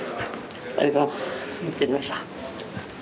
ありがとうございます。